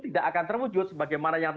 tidak akan terwujud sebagaimana yang